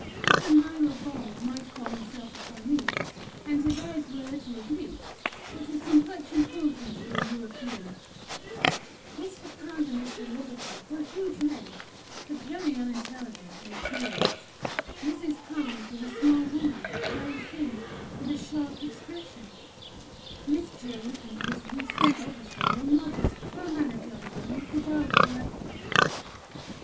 Mr. Nilo Bong might call himself a Chinese, and his eyes were a little oblique, but his complexion proved him to be a European; Mr. Pound and Mr. Liverpool were huge men, but very unintelligent in appearance; Mrs. Pound was a small woman very thin, with a sharp expression; Miss Jane and Miss Lucy Ulverstone were modest, well mannered young women, who bowed politely.